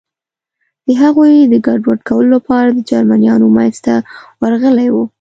د هغوی د ګډوډ کولو لپاره د جرمنیانو منځ ته ورغلي و.